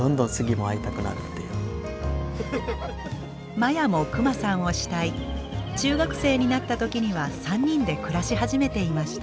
マヤもクマさんを慕い中学生になった時には３人で暮らし始めていました。